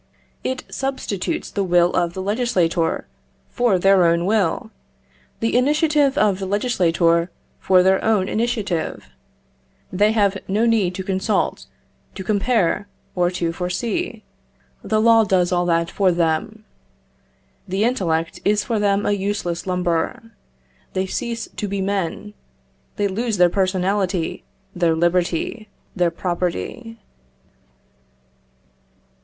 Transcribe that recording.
It substitutes the will of the legislator for their own will, the initiative of the legislator for their own initiative. They have no need to consult, to compare, or to foresee; the law does all that for them. The intellect is for them a useless lumber; they cease to be men; they lose their personality, their liberty, their property.